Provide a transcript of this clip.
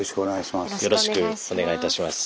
よろしくお願いします。